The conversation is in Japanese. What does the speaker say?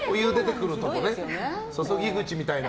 注ぎ口みたいな。